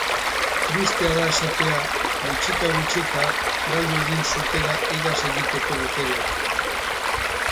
Tristea da esatea gutxika-gutxika galdu egin zutela hegaz egiteko boterea.